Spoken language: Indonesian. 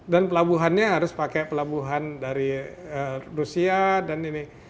dan pelabuhannya harus pakai pelabuhan dari rusia dan ini